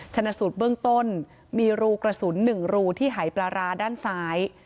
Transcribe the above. ชนสุดเบื้องต้นมีรูกระสุนหนึ่งรูที่หายปราราด้านซ้าย